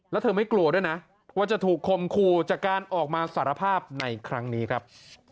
แล้วเธอไม่กลัวด้วยนะว่าจะถูกคมคู่จากการออกมาสารภาพในครั้งนี้ครับ